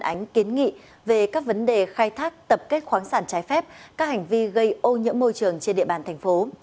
phản ánh kiến nghị về các vấn đề khai thác tập kết khoáng sản trái phép các hành vi gây ô nhiễm môi trường trên địa bàn thành phố